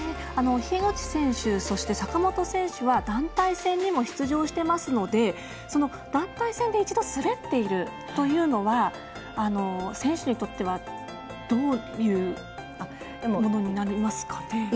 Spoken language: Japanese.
樋口選手、そして坂本選手は団体戦にも出場していますので団体戦で一度滑っているというのは選手にとってはどういうものになりますかね。